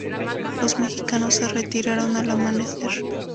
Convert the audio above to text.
Los mexicanos se retiraron al amanecer.